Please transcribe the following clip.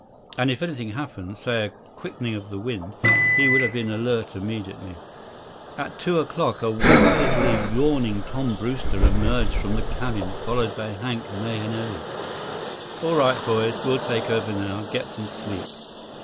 And if anything happened—say a quickening of the wind—he would have been alert immediately. At two o'clock, a widely yawning Tom Brewster emerged from the cabin, followed by Hank Mahenili. "All right, boys. We'll take over now. Get some sleep.